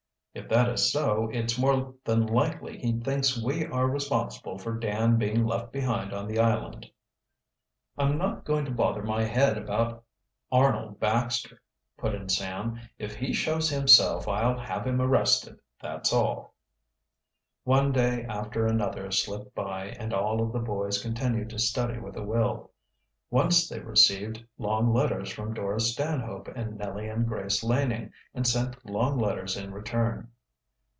"If that is so, it's more than likely he thinks we are responsible for Dan being left behind on the island." "I'm not going to bother my head about Arnold Baxter," put in Sam. "If he shows himself I'll have him arrested, that's all." One day after another slipped by and all of the boys continued to study with a will. Once they received long letters from Dora Stanhope and Nellie and Grace Laning, and sent long letters in return.